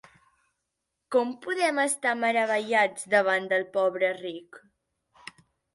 Com podem estar meravellats davant del pobre Rick?